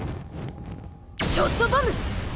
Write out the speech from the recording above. ショットボム！